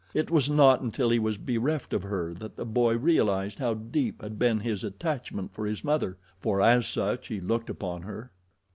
It was not until he was bereft of her that the boy realized how deep had been his attachment for his mother, for as such he looked upon her.